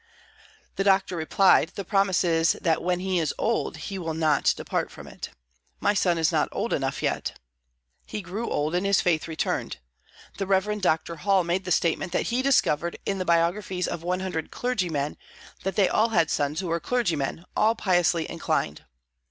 The doctor replied, "The promise is, that when he is old, he will not depart from it. My son is not old enough yet." He grew old, and his faith returned. The Rev. Doctor Hall made the statement that he discovered in the biographies of one hundred clergymen that they all had sons who were clergymen, all piously inclined.